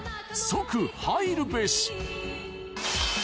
即入るべし！］